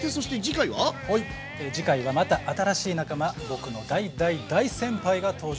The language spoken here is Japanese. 次回はまた新しい仲間僕の大大大先輩が登場します。